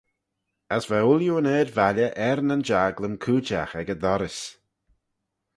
As va ooilley'n ard-valley er nyn jaglym cooidjagh ec y dorrys.